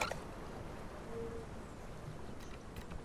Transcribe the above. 巧家合欢为豆科合欢属下的一个种。